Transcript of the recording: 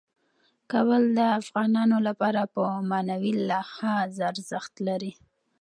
کابل د افغانانو لپاره په معنوي لحاظ ارزښت لري.